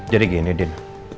jadi gini din